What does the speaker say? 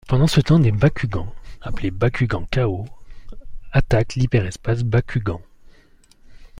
Pendant ce temps, des Bakugans, appelés Bakugan Chaos, attaquent l'Hyper Espace Bakugan.